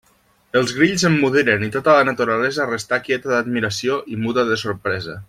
Els grills emmudiren i tota la naturalesa restà quieta d'admiració i muda de sorpresa.